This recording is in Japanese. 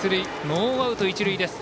ノーアウト、一塁。